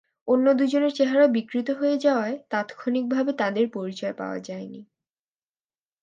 অন্য দুজনের চেহারা বিকৃত হয়ে যাওয়ায় তাৎক্ষণিকভাবে তাঁদের পরিচয় পাওয়া যায়নি।